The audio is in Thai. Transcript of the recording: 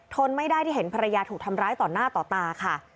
ไม่ได้ที่เห็นภรรยาถูกทำร้ายต่อหน้าต่อตาค่ะ